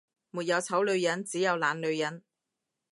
沒有醜女人，只有懶女人